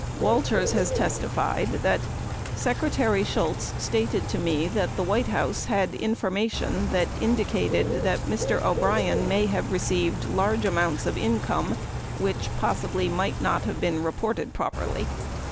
Walters has testified that :Secretary Shultz stated to me that the White House had information that indicated that Mr. O'Brien may have received large amounts of income which possibly might not have been reported properly.